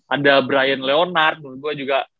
ada brian leonard gue juga